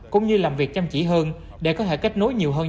cũng như làm việc chăm chỉ hơn để có thể kết nối nhiều hơn